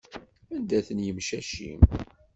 Anda-ten yimcac-im?